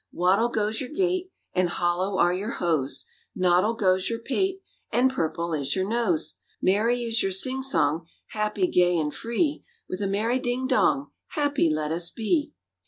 Waddle goes your gait, and hollow are your hose; Noddle goes your pate, and purple is your nose; Merry is your sing song, happy, gay, and free; With a merry ding dong, happy let us be!